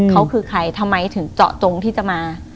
เขาคือใครทำไมถึงเจาะจงที่จะมา